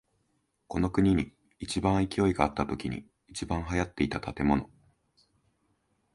この国に一番勢いがあったときに一番流行っていた建物。